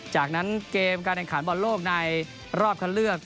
จากนั้นเกมการแข่งขันบอลโลกในรอบคันเลือก